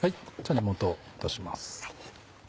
根元を落とします。